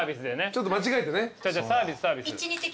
ちょっと間違えてね。